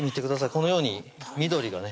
このように緑がね